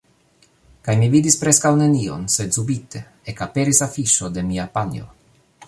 Kaj mi vidis preskaŭ nenion, sed subite, ekaperis afiŝo de mia panjo.